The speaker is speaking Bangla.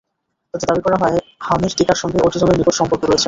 তাতে দাবি করা হয়, হামের টিকার সঙ্গে অটিজমের নিকট সম্পর্ক রয়েছে।